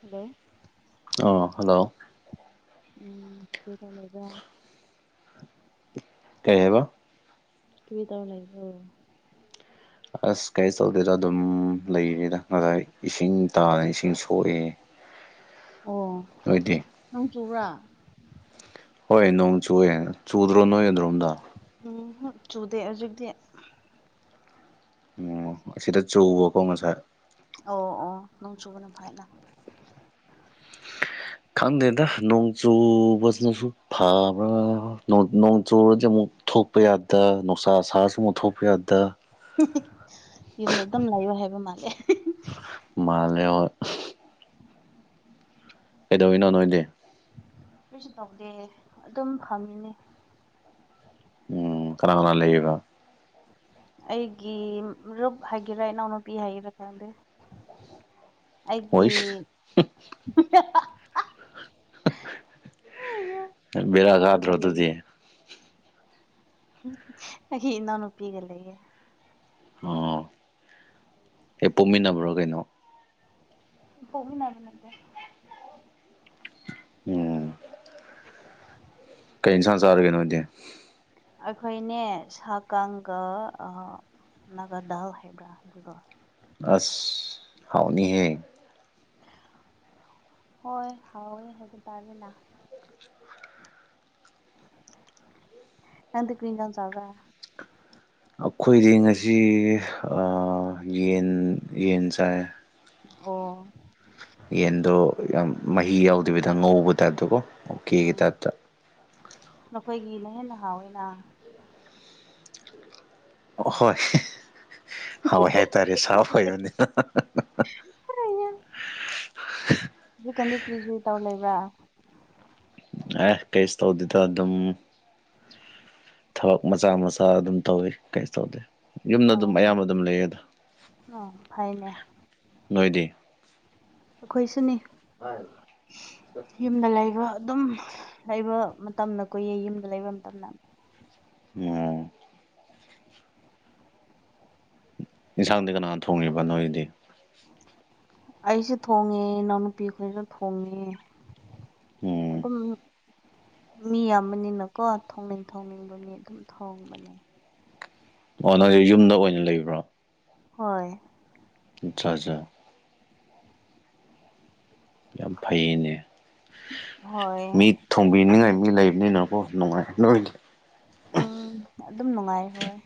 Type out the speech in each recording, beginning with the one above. hello ꯑ hello ꯎꯝ ꯀꯩꯗꯧ ꯂꯩꯕꯔ ꯀꯩ ꯍꯥꯏꯕ ꯀ꯭ꯔꯤ ꯇꯧ ꯂꯩꯕ꯭ꯔꯣ ꯑꯁ ꯀꯩꯁꯨ ꯇꯧꯗꯦꯗ ꯑꯗꯨꯝ ꯂꯩꯔꯤꯗ ꯉꯁꯥꯏ ꯏꯁꯤꯡ ꯇꯥꯏꯌ‌ꯦ ꯏꯁꯤꯡ ꯁꯣꯛꯑꯦ ꯑꯣ ꯅꯣꯏꯗꯤ ꯅꯣꯡ ꯆꯨꯕ꯭ꯔꯥ ꯍꯣꯏ ꯅꯣꯡ ꯆꯨꯏꯑꯦ ꯆꯨꯗ꯭ꯔꯣ ꯅꯣꯏ ꯑꯗ꯭ꯔꯣꯝꯗ ꯎꯝꯍꯨꯝ ꯆꯨꯗꯦ ꯍꯧꯖꯤꯛꯇꯤ ꯑꯣ ꯑꯁꯤꯗ ꯆꯨꯕꯀꯣ ꯉꯁꯥꯏ ꯑꯣ ꯑꯣ ꯅꯣꯡ ꯆꯨꯕꯅ ꯐꯩꯗ ꯈꯪꯗꯦꯗ ꯅꯣꯡꯆꯨꯕ ꯁꯤꯁꯨ ꯐꯥꯕ꯭ꯔꯥ ꯅ‌ꯣꯡ ꯅꯣꯡꯆꯨꯔꯗꯤ ꯑꯃꯨꯛ ꯊ‌ꯣꯛ ꯊꯣꯛꯄ ꯌꯥꯗ ꯅꯨꯡꯁꯥ ꯁꯥꯔꯁꯨ ꯑꯃꯨꯛ ꯊꯣꯛꯄ ꯌꯥꯗ ꯌꯨꯝꯗ ꯑꯗꯨꯝ ꯂꯩꯌꯨ ꯍꯥꯏꯕ ꯃꯥꯜꯂꯦ ꯃꯥꯜꯂ‌ꯦ ꯍ‌ꯣꯏ ꯀꯩꯗꯧꯔꯤꯅꯣ ꯅꯣꯏꯗꯤ ꯀꯩꯁꯨ ꯇꯧꯗꯦ ꯑꯗꯨꯝ ꯐꯪꯃꯤꯅꯦ ꯑꯣ ꯀꯥꯅ ꯀꯥꯅ ꯂꯩꯔꯤꯕ ꯑꯩꯒꯤ ꯃꯔꯨꯞ ꯍꯥꯏꯒꯦꯔꯥ ꯏꯅꯥꯎꯅꯨꯄꯤ ꯍꯥꯏꯒꯦꯔꯥ ꯈꯪꯗ‌ꯦ ꯑꯩꯒꯤ ꯍꯣꯏꯁ ꯕ‌ꯦꯔꯥ ꯑꯗꯨꯒ ꯀꯥꯗꯔ‌ꯣ ꯂꯩ ꯑꯗꯨꯗꯤ ꯑꯩꯒꯤ ꯏꯅꯥꯎꯅꯨꯄꯤꯒ ꯂꯩꯌꯦ ꯑꯣ ꯍꯦꯛ ꯄꯣꯛꯃꯤꯟꯅꯕ꯭ꯔꯣ ꯀꯩꯅꯣ ꯍ‌ꯦꯛ ꯄ‌ꯣꯛꯃꯤꯟꯅꯕ ꯅꯠꯇ‌ꯦ ꯎꯝ ꯀꯩ ꯏꯟꯁꯥꯡ ꯆꯥꯔꯒ‌ꯦ ꯅ‌ꯣꯏꯗꯤ ꯑꯩꯈꯣꯏꯅꯦ ꯁꯥꯒꯥꯡꯒ ꯑꯥ ꯅꯥꯒꯥꯗꯥꯜ ꯍꯥꯏꯕ꯭ꯔꯥ ꯑꯗꯨꯒ ꯑꯁ ꯍꯥꯎꯅꯤꯍꯦ ꯍꯣꯏ ꯍꯥꯎꯋꯦ ꯍꯥꯏꯕ ꯇꯥꯔꯦꯅ ꯅꯪꯗꯤ ꯀꯔꯤ ꯏꯟꯁꯥꯡ ꯆꯥꯕꯔ ꯑꯩꯈꯣꯏꯗꯤ ꯉꯁꯤ ꯌꯦꯟ ꯌꯦꯟ ꯆꯥꯏ ꯍꯣ ꯌꯦꯟꯗꯣ ꯌꯥꯝ ꯃꯍꯤ ꯌꯥꯎꯗꯕꯤꯗ ꯉꯧꯕ ꯇꯥꯏꯞꯇꯣꯀꯣ ꯑꯣ ꯀꯦꯒꯤ ꯇꯥꯏꯞꯇ ꯅꯈꯣꯏꯒꯤ ꯂꯥꯏꯍꯟ ꯅꯍꯥ ꯑꯣꯏꯅ ꯑꯍꯣꯏ ꯍꯣꯏ ꯍꯥꯏꯇꯥꯔꯦ ꯁꯥꯕ ꯐꯩꯕꯅꯤ ꯐꯔꯅꯦ ꯍꯧꯛ ꯀꯟꯗꯤ ꯀꯨꯔꯤ ꯀꯨꯔꯤ ꯇꯧꯔ ꯂꯩꯕ꯭ꯔꯥ ꯑꯦ ꯀꯩꯁ ꯇꯧꯗꯦꯗ ꯑꯗꯨ ꯑꯗꯨꯝ ꯊꯕꯛ ꯃꯆꯥ ꯃꯆꯥ ꯑꯗꯨꯝ ꯇꯧꯋꯤ ꯀꯩꯁꯨ ꯇꯧꯗꯦ ꯌꯨꯝꯗ ꯑꯗꯨꯝ ꯑꯌꯥꯝꯕ ꯑꯗꯨꯝ ꯂꯩꯌꯦ ꯑꯗ ꯑ ꯐꯥꯏꯅꯦ ꯅꯣꯏꯗꯤ ꯑꯩꯈꯣꯏ ꯁꯤꯅꯤ ꯌꯨꯝꯗ ꯂꯩꯕ ꯑꯗꯨꯝ ꯂꯩꯕ ꯃꯇꯝꯅ ꯀꯨꯏꯌꯦ ꯌꯨꯝꯗ ꯂꯩꯕ ꯃꯇꯝꯗ ꯎꯝ ꯌꯦꯟꯁꯥꯡꯗꯤ ꯀꯅꯥꯅ ꯊꯣꯡꯉꯤꯕ ꯅꯣꯏꯒꯤꯗꯤ ꯑꯩꯁꯨ ꯊꯣꯡꯉꯦ ꯏꯅꯥꯎꯅꯨꯄꯤ ꯈꯣꯏꯁꯨ ꯊꯣꯡꯉꯦ ꯎꯝ ꯑꯗꯨꯝ ꯃꯤ ꯌꯥꯝꯕꯅꯤꯅꯀꯣ ꯊꯣꯡꯅꯤꯡ ꯊꯣꯡꯅꯤꯡꯕ ꯃꯤ ꯑꯗꯨꯝ ꯊꯣꯡꯕꯅꯦ ꯑꯣ ꯅꯣꯏ ꯌꯨꯝꯗ ꯑꯣꯏꯅ ꯂꯩꯕ꯭ꯔꯣ ꯍꯣꯏ ꯑꯆꯥ ꯑꯆꯥ ꯌꯥꯝ ꯐꯩꯌꯦꯅꯦ ꯍꯣꯏ ꯃꯤ ꯊꯣꯡꯕꯤꯅꯤꯡꯉꯥꯏ ꯃꯤ ꯂꯩꯕꯅꯤꯅꯀꯣ ꯅꯨꯡꯉꯥꯏ ꯅꯣꯏꯗꯤ ꯎꯝ ꯑꯗꯨꯝ ꯅꯨꯡꯉꯥꯏ ꯍꯣꯏ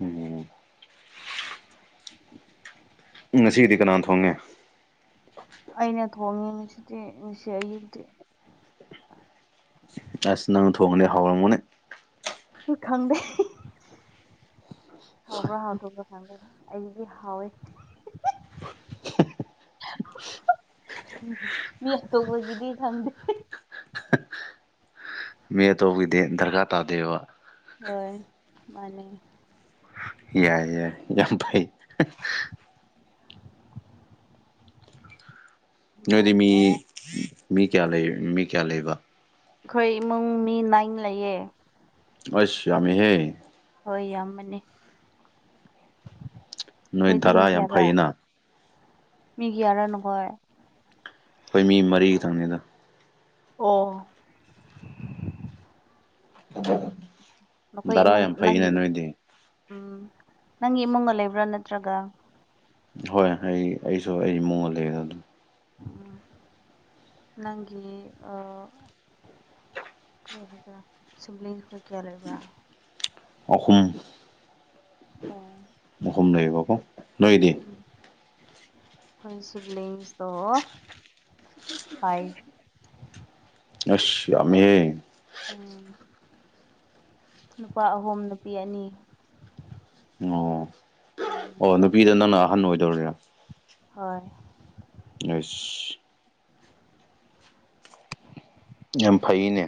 ꯎꯝ ꯉꯁꯤꯗꯤ ꯀꯅꯥ ꯊꯣꯡꯉꯦ ꯑꯩꯅ ꯊꯣꯡꯉꯤ ꯉꯁꯤꯗꯤ ꯉꯁꯤ ꯑꯌꯨꯛꯇꯤ ꯑꯁ ꯅꯪ ꯊꯣꯡꯅꯦ ꯍꯥꯎꯔꯝꯒꯅꯤ ꯁꯨ ꯈꯪꯗꯦ ꯍꯥꯎꯕ꯭ꯔꯥ ꯍꯥꯎꯇꯕ꯭ꯔꯥ ꯈꯪꯗꯦꯗ ꯑꯩꯗꯤ ꯍꯥꯎꯋꯦ [unintelligible] [unintelligible] ꯃꯤ ꯑꯇꯣꯞꯄꯒꯤꯗꯤ ꯈꯪꯗꯦ ꯃꯤ ꯑꯇꯣꯞꯄꯒꯤꯗꯤ ꯗꯔꯀꯥꯔ ꯇꯥꯗꯦꯕ ꯍꯣꯏ ꯃꯥꯅꯤ ꯌꯥꯏ ꯌꯥꯏ ꯌꯥꯝ ꯐꯩ ꯅꯣꯏꯗꯤ ꯃꯥꯅꯦ ꯃꯤ ꯃꯤ ꯀꯌꯥ ꯂꯩ ꯃꯤ ꯀꯌꯥ ꯂꯩꯕ ꯑꯩꯈꯣꯏ ꯏꯃꯨꯡ ꯃꯤ ꯅꯥꯏꯟ ꯂꯩꯌꯦ ꯑꯩꯁ ꯌꯥꯝꯃꯤꯍꯦ ꯍꯣꯏ ꯌꯥꯝꯕꯅꯤ ꯅꯣꯏ ꯑꯩꯈꯣꯏꯗꯤ ꯃꯤ ꯙꯔꯥ ꯌꯥꯝ ꯀꯌꯥꯔꯥ ꯐꯩꯌꯦꯅ ꯃꯤ ꯀꯌꯥꯔ ꯅꯈꯣꯏ ꯑꯩꯈꯣꯏ ꯃꯤ ꯃꯔꯤ ꯈꯤꯇꯪ ꯅꯤꯗ ꯑꯣ ꯅꯈꯣꯏ ꯙꯔꯥ ꯏꯃꯨꯡ ꯌꯥꯝ ꯐꯩꯅꯦ ꯅꯪꯒꯤ ꯅꯣꯏꯗꯤ ꯎꯝ ꯅꯪꯒꯤ ꯏꯃꯨꯡꯒ ꯂꯩꯕ꯭ꯔꯥ ꯅꯠꯇ꯭ꯔꯒ ꯍꯣꯏ ꯑꯩ ꯑꯩꯁꯨ ꯑꯩ ꯏꯃꯨꯡꯗ ꯂꯩꯗ ꯑꯗꯨꯝ ꯎꯝ ꯅꯪꯒꯤ ꯀꯔꯤ ꯍꯥꯏꯒꯦꯔ ꯁꯤꯞꯂꯤꯁꯡ ꯈꯣꯏ ꯀꯌꯥ ꯂꯩꯕ꯭ꯔꯥ ꯑꯍꯨꯝ ꯑꯣ ꯑꯍꯨꯝ ꯂꯩꯕ ꯀꯣ ꯅꯣꯏꯗꯤ ꯎꯝ ꯑꯩꯈꯣꯏ ꯁꯤꯞꯂꯤꯡꯁꯇꯣ ꯐꯥꯏꯚ ꯑꯁ ꯌꯥꯝꯃꯤꯍꯦ ꯎꯝ ꯅꯨꯄꯥ ꯑꯍꯨꯝ ꯅꯨꯄꯤ ꯑꯅꯤ ꯑꯣ ꯎꯝ ꯑꯣ ꯅꯨꯄꯤꯗ ꯅꯪꯅ ꯑꯍꯟ ꯑꯣꯏꯗꯧꯔꯤꯔꯥ ꯍꯣꯏ ꯑꯁ ꯌꯥꯝ ꯐꯩꯌꯦꯅꯦ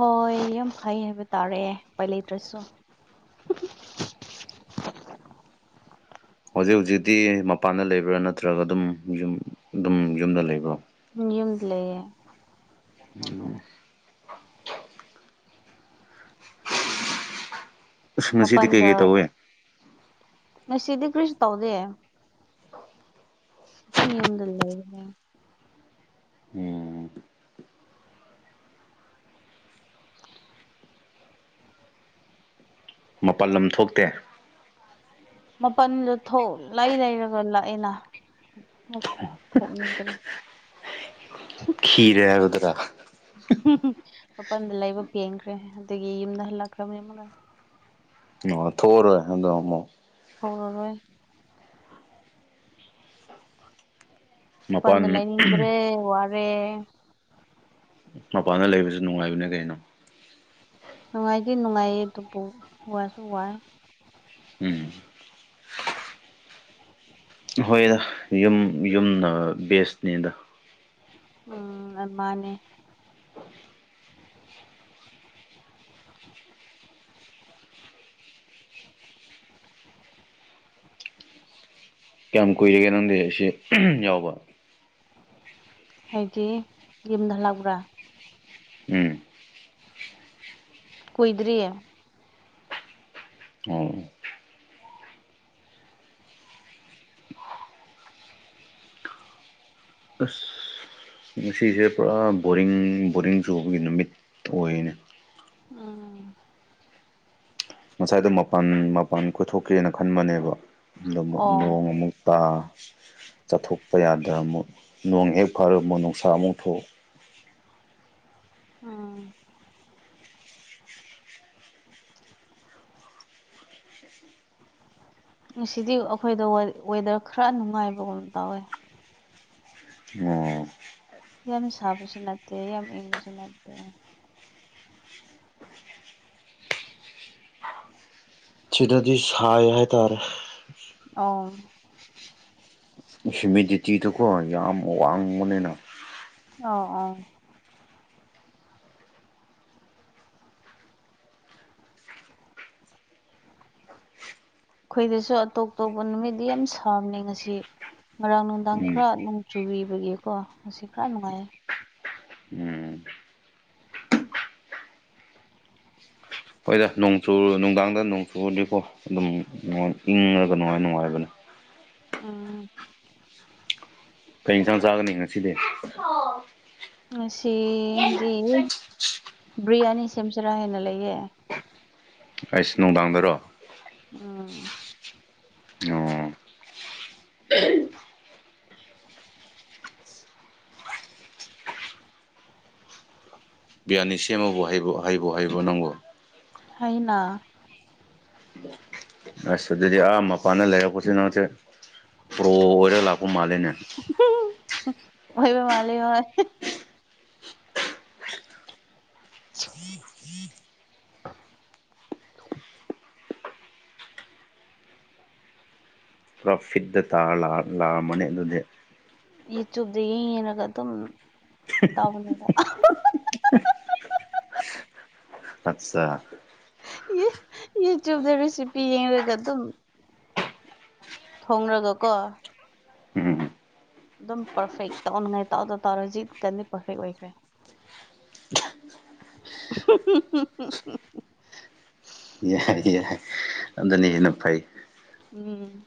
ꯍꯣꯏ ꯌꯥꯝ ꯐꯩ ꯍꯥꯏꯕ ꯇꯥꯔꯦ ꯎꯄꯥꯏ ꯂꯩꯇ꯭ꯔꯁꯨ ꯍꯧꯖꯤꯛ ꯍꯧꯖꯤꯛꯇꯤ ꯃꯄꯥꯟꯗ ꯂꯩꯕ꯭ꯔꯥ ꯅꯠꯇ꯭ꯔꯒ ꯑꯗꯨꯝ ꯌꯨꯝ ꯑꯗꯨꯝ ꯌꯨꯝꯗ ꯂꯩꯕ꯭ꯔꯣ ꯌꯨꯝꯗ ꯂꯩꯌꯦ ꯑꯁ ꯉꯁꯤꯗꯤ ꯃꯥꯄꯜꯗ ꯀꯩꯀꯩ ꯇꯧꯋꯦ ꯉꯁꯤꯗꯤ ꯀꯔꯤꯁꯨ ꯇꯧꯗꯦ ꯗꯨꯝ ꯌꯨꯝꯗ ꯂꯩꯌꯦ ꯑꯝ ꯃꯄꯜ ꯂꯝ ꯊꯣꯛꯇꯦ ꯃꯄꯜꯗ ꯊꯣꯛ ꯂꯥꯏ ꯂꯩꯔꯒ ꯂꯥꯛꯑꯦꯅ ꯊꯣꯛꯅꯤꯡꯗ꯭ꯔꯦ ꯈꯤꯔꯦ ꯃꯄꯜꯗ ꯂꯩꯕ ꯄꯦꯡꯈ꯭ꯔꯦ ꯑꯗꯨꯒꯤ ꯌꯨꯝꯗ ꯍꯜꯂꯛꯈ꯭ꯔꯕꯅꯤ ꯃꯥ ꯑ ꯊꯣꯛꯑꯔꯣꯢ ꯑꯗꯨ ꯑꯃꯨꯛ ꯍꯧꯔꯔꯣꯏ ꯃꯄꯥꯟ ꯃꯄꯥꯜꯗ ꯂꯩꯥꯏꯅꯤꯡꯗ꯭ꯔꯦ ꯋꯥꯔꯦ ꯃꯄꯥꯟꯗ ꯂꯩꯕꯁꯨ ꯅꯨꯡꯉꯥꯏꯕꯅꯦ ꯀꯩꯅꯣ ꯅꯨꯡꯉꯥꯏꯗꯤ ꯅꯨꯡꯉꯥꯏꯌꯦ ꯑꯗꯨꯕꯨ ꯋꯥꯁꯨ ꯋꯥꯏ ꯎꯝ ꯍꯣꯏꯗ ꯌꯨꯝ ꯌꯨꯝꯅ ꯕꯦꯁꯅꯦꯗ ꯎꯝ ꯑ ꯃꯥꯅꯦ ꯀꯌꯥꯝ ꯀꯨꯏꯔꯒꯦ ꯅꯪꯗꯤ ꯁꯤ ꯌꯥꯎꯕ ꯍꯥꯏꯗꯤ ꯌꯨꯝꯗ ꯍꯂꯥꯛꯄ꯭ꯔꯥ ꯎꯝ ꯀꯨꯏꯗ꯭ꯔꯤꯌꯦ ꯑꯣ ꯑꯁ ꯉꯁꯤꯁꯦ ꯄꯨꯔꯥ ꯕꯣꯔꯤꯡ ꯕꯣꯔꯤꯡ ꯆꯨꯕꯒꯤ ꯅꯨꯃꯤꯠ ꯑꯣꯏꯅꯦ ꯎꯝ ꯉꯁꯥꯏꯗꯣ ꯃꯄꯥꯟ ꯃꯄꯥꯟ ꯀꯣꯏꯊꯣꯛꯀꯦꯅ ꯈꯟꯕꯅꯦꯕ ꯑꯗꯣ ꯑꯃꯨꯛ ꯑꯣ ꯅꯣꯡ ꯑꯃꯨꯛ ꯇꯥ ꯆꯥꯊꯣꯛꯄ ꯌꯥꯗ ꯑꯃꯨꯛ ꯅꯣꯡ ꯍꯦꯛ ꯐꯔ ꯄꯨꯛ ꯅꯨꯡꯁꯥ ꯑꯃꯨꯛ ꯊꯣꯛ ꯎꯝ ꯉꯁꯤꯗꯤ ꯑꯩꯈꯣꯏꯗ ꯋꯦꯗꯔ ꯈꯔ ꯅꯨꯡꯉꯥꯏꯕꯒꯨꯝ ꯇꯧꯋꯦ ꯑꯣ ꯌꯥꯝ ꯁꯥꯕꯁꯨ ꯅꯠꯇꯦ ꯌꯥꯝ ꯏꯪꯕꯁꯨ ꯅꯠꯇꯦ ꯁꯤꯗꯗꯤ ꯁꯥꯏ ꯍꯥꯏꯇꯥꯔꯦ ꯑꯣ ꯍꯤꯃꯤꯗꯤꯇꯤꯗꯨꯀꯣ ꯌꯥꯝ ꯋꯥꯡꯕꯅꯤꯅ ꯑꯥꯎ ꯑꯥꯎ ꯑꯩꯈꯣꯏꯗꯁꯨ ꯑꯇꯣꯞ ꯑꯇꯣꯞꯄ ꯅꯨꯃꯤꯠꯗꯤ ꯌꯥꯝ ꯁꯥꯕꯅꯤ ꯉꯁꯤ ꯉꯔꯥꯡ ꯅꯨꯡꯗꯥꯡ ꯎꯝ ꯈꯔ ꯅꯣꯡ ꯆꯨꯕꯤꯕꯒꯤꯀꯣ ꯑꯁꯤ ꯈꯔ ꯅꯨꯡꯉꯥꯏꯌꯦ ꯎꯝ ꯍꯣꯏꯗ ꯅꯣꯡꯆ ꯅꯨꯡꯗꯥꯡꯗ ꯅꯣꯡꯆꯨꯗꯤꯀꯣ ꯑꯗꯨꯝ ꯏꯪꯉꯒ ꯅꯨꯡꯉꯥꯏ ꯅꯨꯡꯉꯥꯏꯔꯕꯅꯤ ꯑꯥꯝ ꯀꯩ ꯌꯦꯟꯁꯥꯡ ꯆꯥꯒꯅꯤ ꯉꯁꯤꯗꯤ ꯁꯤꯗꯤ ꯕꯤ꯭ꯔꯌꯥꯅꯤ ꯁꯦꯝꯖꯔꯥ ꯍꯥꯢꯅ ꯂꯩꯌꯦ ꯀꯥꯏꯁ ꯅꯣꯡꯗꯥꯥꯡꯗꯔꯣ ꯎꯝ ꯑꯣ ꯌꯥꯅꯤ ꯁꯦꯝꯕꯕꯨ ꯍꯩꯕꯨ ꯍꯥꯏꯕꯣ ꯅꯪꯕꯨ ꯍꯥꯏꯅ ꯑꯁ ꯑꯗꯨꯗꯤ ꯑꯥ ꯃꯄꯥꯟꯗ ꯂꯩꯔꯛꯄꯁꯤ ꯅꯪꯁꯦ ꯄ꯭ꯔꯣ ꯑꯣꯏꯔꯒ ꯂꯥꯛꯄ ꯃꯥꯜꯂꯦꯅꯦ ꯑꯣꯢꯕ ꯃꯥꯂꯦ ꯑꯣꯏ ꯆꯤꯎ ꯄ꯭ꯔꯣꯐꯤꯠꯇ ꯇꯥꯔ ꯂꯥꯛꯑꯃꯅꯤ ꯑꯗꯨꯗꯤ ꯌꯨꯇ꯭ꯌꯨꯕꯇ ꯌꯦꯡ ꯌꯦꯡꯉꯒ ꯑꯗꯨꯝ ꯇꯧꯕꯅꯦꯕ ꯑꯠꯆꯥ ꯌꯨꯇꯨꯕ ꯔꯦꯁꯤꯄꯤ ꯌꯦꯉꯒ ꯑꯗꯨ ꯊꯣꯡꯂꯒꯀꯣ ꯎꯝ ꯑꯗꯨꯝ ꯄꯔꯐꯦꯛ ꯇꯥꯎꯅꯉꯥꯏ ꯇꯥꯎꯗ ꯇꯥꯎꯔꯁꯤ ꯀꯟꯗꯤ ꯄꯔꯐꯦꯛ ꯑꯣꯏꯈ꯭ꯔꯦ ꯎꯍꯨꯝ ꯍꯨꯝ ꯌꯥꯏ ꯌꯥꯏ ꯑꯗꯨꯅ ꯍꯦꯟꯅ ꯐꯩ ꯎꯝ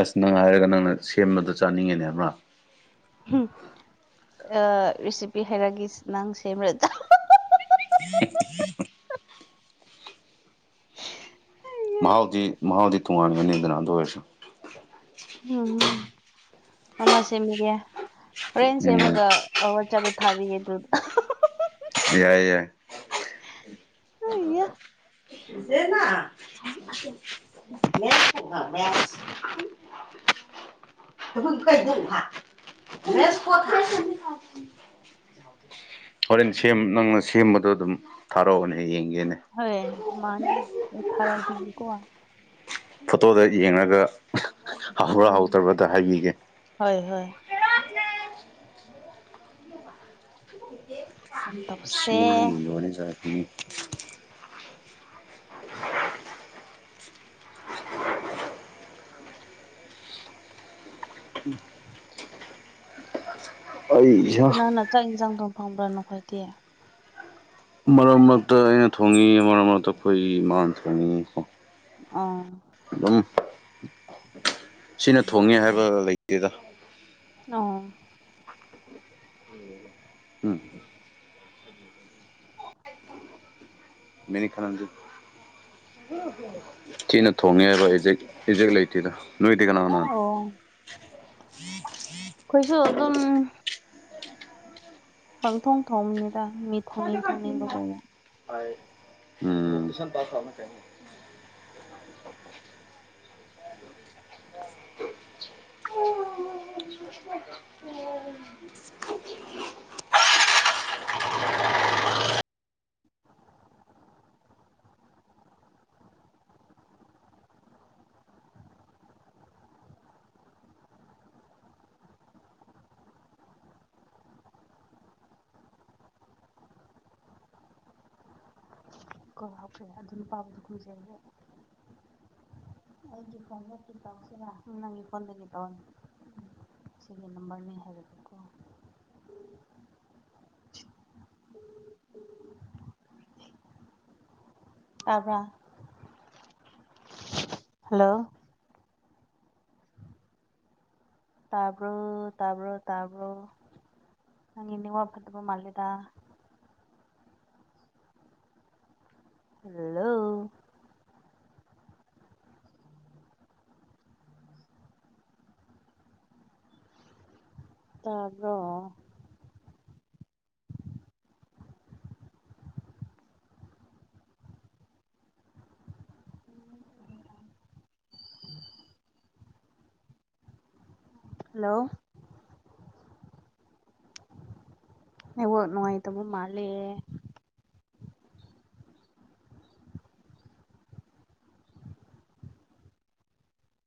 ꯑꯁ ꯅꯪ ꯍꯥꯏꯔꯒ ꯅꯪꯅ ꯁꯦꯝꯕꯗ ꯆꯥꯅꯤꯡꯉꯤꯅꯦ ꯑꯃꯥ ꯎꯝ ꯔꯦꯁꯤꯄꯤ ꯍꯥꯏꯔꯒ ꯅꯪ ꯁꯦꯝꯕꯗ ꯃꯍꯥꯎꯗꯤ ꯃꯍꯥꯎꯗꯤ ꯇꯣꯉꯥꯟꯒꯅꯤꯗꯅ ꯑꯗꯨ ꯑꯣꯏꯔꯁꯨ ꯎꯝ ꯅꯃ ꯁꯦꯝꯕꯤꯒꯦ ꯍꯣꯔꯦꯟ ꯎꯝ ꯁꯦꯝꯃꯒ ꯑꯋꯥꯠꯆꯦꯞꯇ ꯊꯥꯕꯤꯒꯦ ꯑꯗꯨꯗ ꯌꯥꯏ ꯌꯥꯏ ꯑꯌꯦ [unintelligible] ꯃ ꯃꯦ ꯍ ꯀꯩꯗ ꯦꯁ ꯀꯣꯊ [unintelligible] ꯍꯣꯔꯦꯟ ꯁꯦꯝ ꯅꯪꯅ ꯁꯦꯝꯕꯗꯣ ꯑꯗꯨꯝ ꯊꯥꯔꯛꯑꯣꯅꯦ ꯌꯦꯡꯒꯦꯅꯦ ꯍꯣꯏ ꯃꯥꯅꯦ ꯑꯩ ꯊꯔꯛ ꯕꯤꯒꯦ ꯀꯣ ꯐꯣꯇꯣꯗ ꯌꯦꯡꯉꯒ ꯍꯔ ꯍꯥꯎꯕ꯭ꯔ ꯎꯝ ꯍꯥꯎꯇꯕ꯭ꯔꯗꯨ ꯍꯥꯏꯕꯤꯒꯦ ꯍꯣꯏ ꯍꯣꯏ ꯑꯗꯨꯝ ꯇꯧꯁꯦ ꯏꯁꯃꯂꯤꯡ ꯍꯌꯅꯤ ꯆꯖ ꯐ ꯑꯩꯁ ꯀꯅꯥꯅ ꯆꯥꯛ ꯌꯦꯟꯁꯥꯡ ꯊꯣꯡꯕ꯭ꯔꯥ ꯅꯈꯣꯏꯗꯤ ꯃꯔꯛ ꯃꯔꯛꯇ ꯑꯩꯅ ꯊꯣꯡꯉꯤ ꯃꯔꯛ ꯃꯔꯛꯇ ꯑꯩꯈꯣꯏ ꯏꯃꯥꯅ ꯊꯣꯡꯉꯤ ꯀꯣ ꯑꯥ ꯑꯗꯨꯝ ꯁꯤꯅ ꯊꯣꯡꯉꯦ ꯍꯥꯏꯕ ꯂꯩꯇꯦꯗ ꯑ ꯎꯝ ꯃꯤꯅꯤ ꯈꯅꯗꯤ ꯊꯤꯅ ꯊꯣꯡꯉꯦ ꯍꯥꯏꯕ ꯑꯦꯛ ꯑꯦꯖꯦꯛ ꯂꯩꯇꯦꯗ ꯅꯣꯏꯗꯤ ꯀꯅꯥꯅꯥꯅꯣ ꯑꯣ ꯑꯩꯈꯣꯏꯁꯨ ꯑꯗꯨꯝ ꯄꯥꯡ ꯊꯣꯡ ꯊꯣꯝꯅꯤꯗ ꯃꯤꯊꯣꯡꯅꯤꯡ ꯊꯣꯡꯅꯤꯡꯕꯒ ꯍ ꯀꯁꯟꯇꯥ ꯁꯥꯕꯅ ꯀꯩꯅꯅ ꯍꯥꯞꯄ꯭ꯔꯦ ꯑꯗꯨ ꯅꯨꯄꯥꯕꯨꯗꯨ ꯈꯨꯖ ꯑꯩꯒꯤ ꯐꯣꯟꯗꯒꯤ ꯇꯧꯁꯤꯔ ꯎ ꯅꯪꯒꯤ ꯐꯣꯟꯗꯅꯤ ꯇꯧ ꯁꯤꯒꯤ ꯅꯝꯕꯔꯅꯤ ꯍꯥꯏꯕꯒꯦ [unintelligible] ꯇꯥꯕ꯭ꯔ ꯍꯜꯂꯣ ꯇꯥꯕ꯭ꯔꯣ ꯇꯥꯕ꯭ꯔꯣ ꯇꯥꯕ꯭ꯔꯣ ꯅꯪꯒꯤ ꯅꯦꯠꯋꯥꯛ ꯐꯠꯇꯕ ꯃꯥꯜꯂꯤꯗ ꯍꯜꯂꯣ ꯇꯥꯕ꯭ꯔꯣ ꯍꯜꯂꯣ ꯅꯦꯠꯋꯥꯛ ꯅꯨꯡꯉꯥꯏꯇꯕ ꯃꯥꯂꯦ